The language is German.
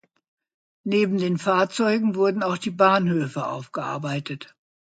Neben den Fahrzeugen wurden auch die Bahnhöfe aufgearbeitet.